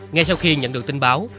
ngay sau khi nhận được tin báo